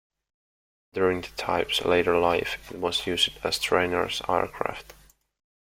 During the type's later life, it was used as a trainer aircraft.